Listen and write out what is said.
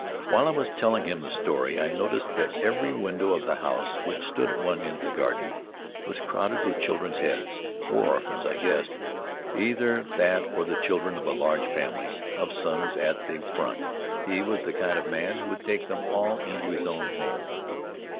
While I was telling him the story, I noticed that every window of the house, which stood at one end of the garden, was crowded with children's heads. War orphans, I guessed. Either that or the children of a large family of sons at the front. He was the kind of man who would take them all into his own home.